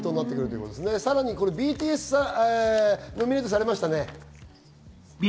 さらにＢＴＳノミネートされましたね。